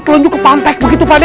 telunjuk ke pantai begitu pak d